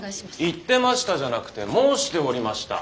言ってましたじゃなくて「申しておりました」。